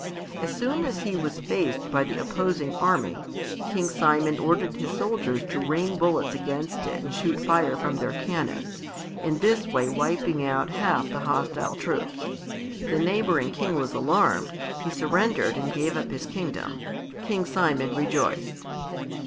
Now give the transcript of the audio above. As soon as he was faced by the opposing army, King Simon ordered his soldiers to rain bullets against it and shoot fire from their cannons, in this way wiping out half the hostile troops. The neighbouring king was alarmed; he surrendered and gave up his kingdom. King Simon rejoiced.